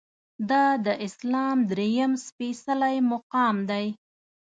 دا د اسلام درېیم سپیڅلی مقام دی.